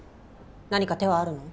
何か手はあるの？